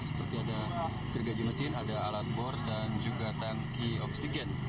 seperti ada gergaji mesin ada alat bor dan juga tangki oksigen